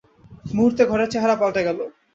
মুহূর্তে ঘরের চেহারা পাল্টে গেল।